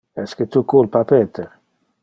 Esque tu culpa Peter?